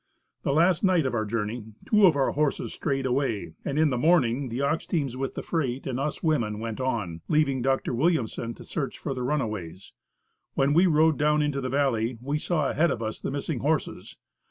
The last night of our journey, two of our horses strayed away, and in the morning the ox teams with the freight, and us women went on, leaving Dr. Williamson to search for the runaways. When we rode down into the valley, we saw ahead of us, the missing horses.